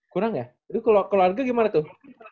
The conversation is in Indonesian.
kurang ya jadi kalau keluarga gimana tuh